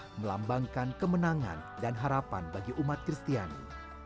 yang melambangkan kemenangan dan harapan bagi umat kristiani